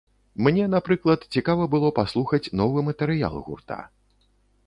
Мне, напрыклад, цікава было паслухаць новы матэрыял гурта.